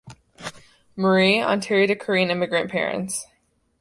Marie, Ontario to Korean immigrant parents.